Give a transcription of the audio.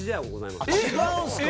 違うんすか？